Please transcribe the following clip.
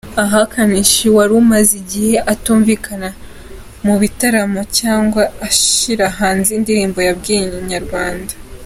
Aha Kamichi wari umaze igihe atumvikana mu bitaramo cyangwa ashyira hanze indirimbo yabwiye Inyarwanda.